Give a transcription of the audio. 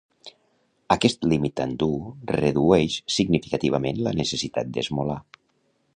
Aquest límit tant dur redueix significativament la necessitat d'esmolar.